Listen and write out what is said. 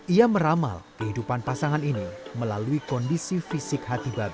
ia meramal kehidupan pasangan ini melalui kondisi fisik hati babi